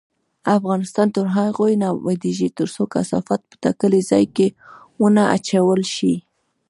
افغانستان تر هغو نه ابادیږي، ترڅو کثافات په ټاکلي ځای کې ونه اچول شي.